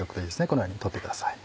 このように取ってください。